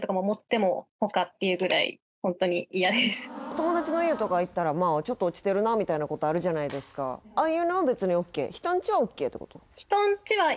友達の家とか行ったらちょっと落ちてるなみたいなことあるじゃないですかああいうのは別にオッケー？